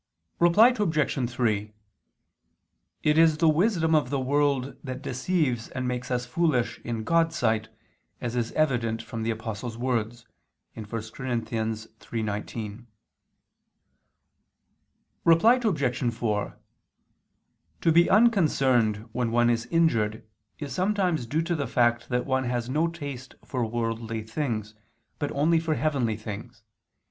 Reply Obj. 3: It is the wisdom of the world that deceives and makes us foolish in God's sight, as is evident from the Apostle's words (1 Cor. 3:19). Reply Obj. 4: To be unconcerned when one is injured is sometimes due to the fact that one has no taste for worldly things, but only for heavenly things.